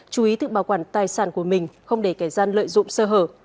chú ý tự bảo quản tài sản của mình không để kẻ gian lợi dụng sơ hở